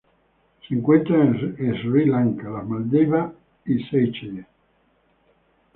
Se encuentra en Sri Lanka, las Maldivas y Seychelles.